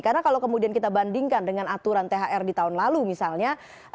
karena kalau kemudian kita bandingkan dengan aturan thr di tahun lalu misalnya